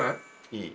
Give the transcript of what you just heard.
いい。